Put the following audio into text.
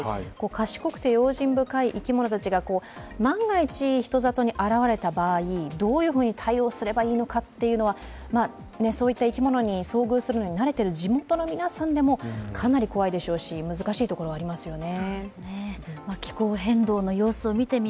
賢くて用心深い生き物が万が一、人里に現れた場合、どういうふうに対応すればいいのかというのはそういった生き物に遭遇するのに慣れている地元の皆さんでもかなり怖いでしょうし難しいところはありますね。